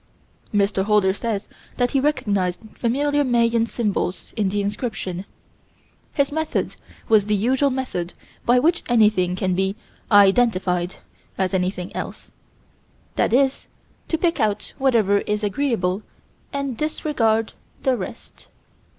Mr. Holder says that he recognized familiar Mayan symbols in the inscription. His method was the usual method by which anything can be "identified" as anything else: that is to pick out whatever is agreeable and disregard the rest.